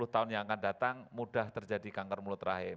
sepuluh tahun yang akan datang mudah terjadi kanker mulut rahim